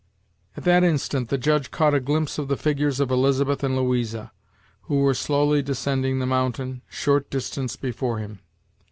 At that instant the Judge caught a glimpse of the figures of Elizabeth and Louisa, who were slowly descending the mountain, short distance before him.